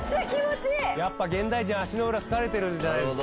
やっぱ現代人は足の裏疲れてるじゃないですか。